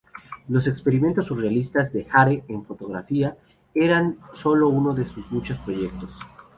Los experimentos surrealistas de Hare en fotografía eran sólo uno de sus muchos proyectos.